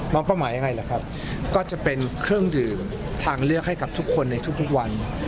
เป้าหมายยังไงล่ะครับก็จะเป็นเครื่องดื่มทางเลือกให้กับทุกคนในทุกวัน